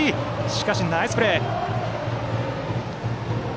しかしナイスプレー！